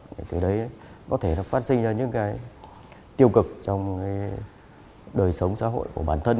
để từ đấy có thể phát sinh ra những cái tiêu cực trong đời sống xã hội của bản thân